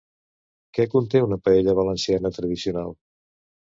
Què conté una paella valenciana tradicional?